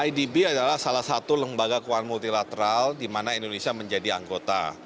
idb adalah salah satu lembaga keuangan multilateral di mana indonesia menjadi anggota